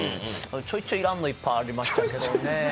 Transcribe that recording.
ちょいちょい要らんのいっぱいありましたけどね。